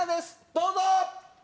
どうぞ！